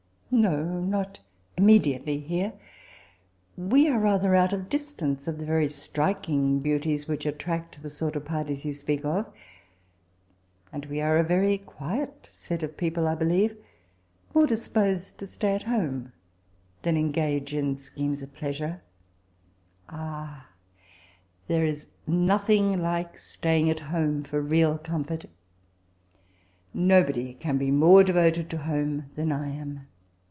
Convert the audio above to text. *'*' No ; not iomiediately here. We are rather out of distance of the veiy strik ing beauties whidi attract the aortof puties you speak of; and we are a veiy 1859.] n$ ITcveU df Jane Awttn, HI goaet set of people^ I balieTe; more de posed to stay at home than engage in Bchemes of pleasure. "' Ah I there is nothing like staying at home for real comfort Nobod/ can be more deyoted to home than I am.